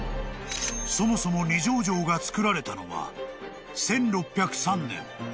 ［そもそも二条城が造られたのは１６０３年］